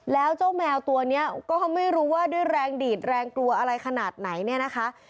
แล้วเจ้าแมวตัวนี้ก็ไม่รู้ว่าด้วยแรงดีดแรงกลัวอะไรขนาดไหนเนี่ยนะคะ